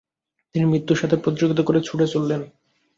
তিনি মৃত্যুর সাথে প্রতিযোগিতা করে ছুটে চললেন।